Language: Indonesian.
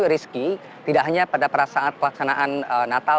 rizky tidak hanya pada saat pelaksanaan natal